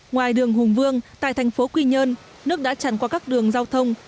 ngoài đường hùng vương tại thành phố quy nhơn nước đã tràn qua các đường giao thông